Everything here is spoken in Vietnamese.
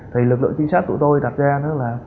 thì lực lượng trinh sát tụi tôi đặt ra nó là